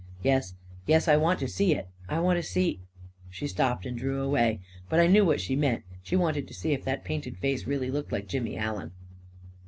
44 Yes, yes; I want to see it — I want to see ..." She stopped and drew away. But I knew what she meant; she wanted to see if that painted face really looked like Jimmy Allen.